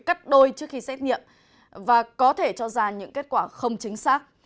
cắt đôi trước khi xét nghiệm và có thể cho ra những kết quả không chính xác